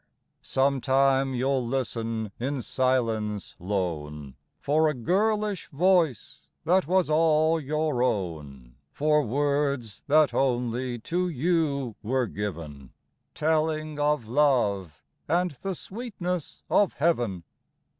Sometime you '11 listen in silence lone For a girlish voice that was all your own ; For words that only to you were given. Telling of love and the sweetness of heaven.